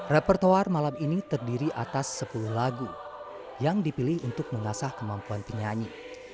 repertoar malam ini terdiri atas sepuluh lagu yang dipilih untuk mengasah kemampuan penyanyi